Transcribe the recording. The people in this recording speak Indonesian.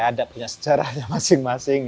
ada punya sejarahnya masing masing